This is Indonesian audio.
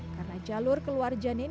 karena jalur keluar janin